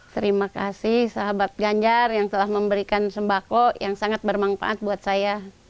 terima kasih sahabat ganjar yang telah memberikan sembako yang sangat bermanfaat buat saya